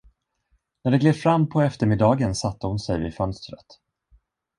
När det gled fram på eftermiddagen, satte hon sig vid fönstret.